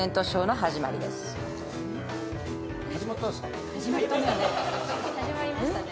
始まりましたね。